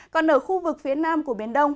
còn ở khu vực phía nam của biển đông